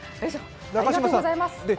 ありがとうございます。